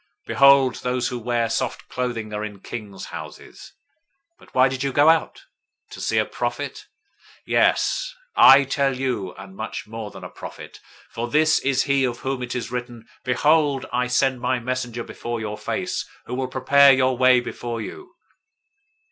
Behold, those who wear soft clothing are in king's houses. 011:009 But why did you go out? To see a prophet? Yes, I tell you, and much more than a prophet. 011:010 For this is he, of whom it is written, 'Behold, I send my messenger before your face, who will prepare your way before you.'